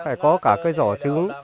phải có cả cái giỏ trứng